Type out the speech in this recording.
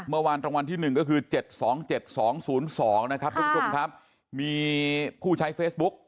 เมื่อวานตรงวันที่หนึ่งก็คือเจ็ดสองเจ็ดสองศูนย์สองนะครับค่ะคุณผู้ชายเฟซบุ๊ก